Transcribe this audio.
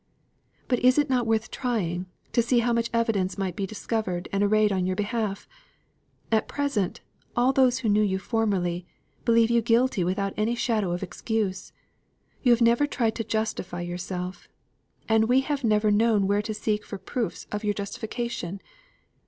"But is it not worth trying, to see how much evidence might be discovered and arrayed on your behalf? At present, all those who knew you formerly, believe you guilty without any shadow of excuse. You have never tried to justify yourself, and we have never known where to seek for proofs of your justification.